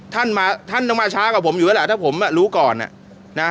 ท่านมาท่านต้องมาช้ากว่าผมอยู่แล้วล่ะถ้าผมรู้ก่อนอ่ะนะ